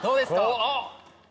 あっ。